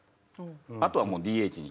あとはもうＤＨに。